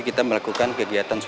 untung kurang ganteng